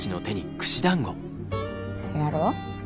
そやろ？